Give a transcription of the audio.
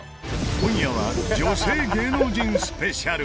今夜は女性芸能人スペシャル。